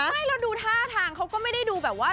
ไม่แล้วดูท่าทางเขาก็ไม่ได้ดูแบบว่า